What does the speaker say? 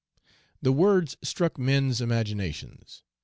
The words struck men's imaginations.